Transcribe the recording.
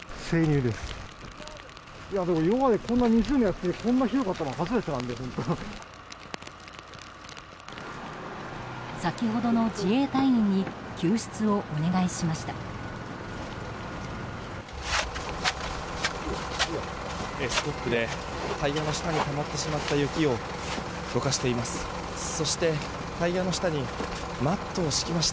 スコップでタイヤの下にたまってしまった雪をどかしています。